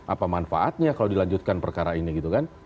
apa manfaatnya kalau dilanjutkan perkara ini gitu kan